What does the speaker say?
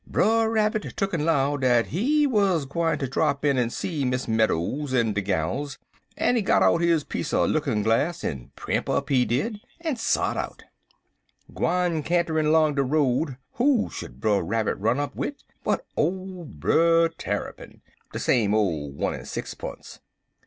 Brer Rabbit tuck'n 'low dat he wuz gwineter drap in en see Miss Meadows en de gals, en he got out his piece er lookin' glass en primp up, he did, en sot out. Gwine canterin' long de road, who should Brer Rabbit run up wid but ole Brer Tarrypin de same ole one en sixpunce.